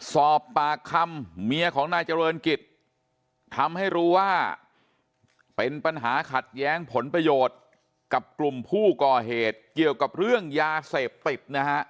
สอบปากคำเมียของนายเจริญกิจทำให้รู้ว่าเป็นปัญหาขัดแย้งผลประโยชน์กับกลุ่มผู้ก่อเหตุเกี่ยวกับเรื่องยาเสพติดนะฮะ